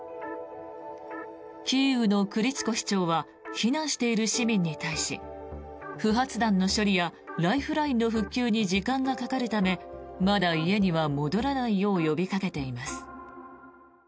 キーウのクリチコ市長は避難している市民に対し不発弾の処理やライフラインの復旧に時間がかかるためまだ家には戻らないよう呼びかけています。